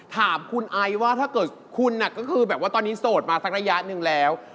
ถามคุณไอซ์ว่าถ้าเกิดคุณก็คือแบบว่าตอนนี้โสดมาสักระยะหนึ่งแล้ว